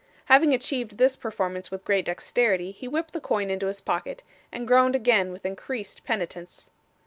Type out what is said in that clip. Having achieved this performance with great dexterity, he whipped the coin into his pocket, and groaned again with increased penitence.